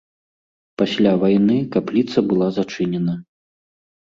Пасля вайны капліца была зачынена.